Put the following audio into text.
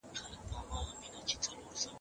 چي د رقیب په وینو سره توره راغلی یمه